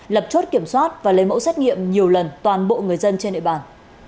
lập chốt kiểm soát và lấy mẫu xét nghiệm nhiều lần toàn bộ người dân trên địa bàn